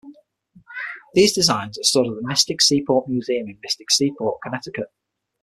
These designs are stored at the Mystic Seaport Museum in Mystic Seaport, Connecticut.